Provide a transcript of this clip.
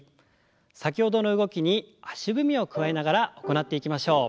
先ほどの動きに足踏みを加えながら行っていきましょう。